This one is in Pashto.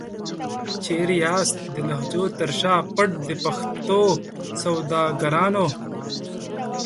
چيري یاست د لهجو تر شا پټ د پښتو سوداګرانو؟